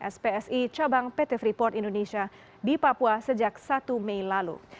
spsi cabang pt freeport indonesia di papua sejak satu mei lalu